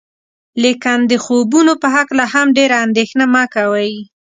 لیکن د خوبونو په هکله هم ډیره اندیښنه مه کوئ.